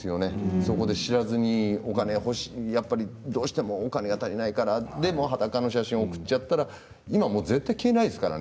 そこで知らずに、お金が欲しいとかどうしてもお金が足りないから裸の写真を送ってしまったら今は絶対に消えないですからね